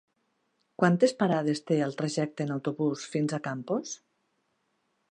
Quantes parades té el trajecte en autobús fins a Campos?